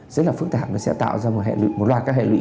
rất là phức tạp nó sẽ tạo ra một loạt các hệ lụy